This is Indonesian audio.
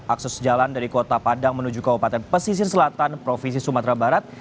akses jalan dari kota padang menuju kabupaten pesisir selatan provinsi sumatera barat